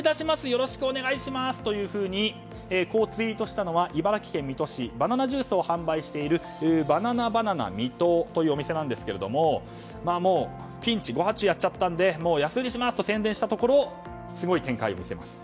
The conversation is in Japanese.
よろしくお願いしますとツイートしたのは茨城県水戸市バナナジュースを販売しているＢａｎａｎａＢａｎａｎａ水戸というお店なんですがピンチ、誤発注やっちゃったので安売りしますと宣伝したところすごい展開を見せます。